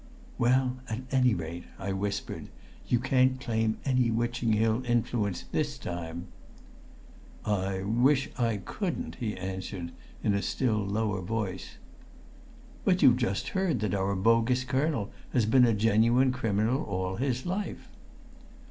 "Well, at any rate," I whispered, "you can't claim any Witching Hill influence this time." "I wish I couldn't," he answered in a still lower voice. "But you've just heard that our bogus colonel has been a genuine criminal all his life."